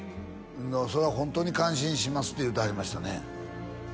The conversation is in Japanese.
「それはホントに感心します」って言うてはりましたね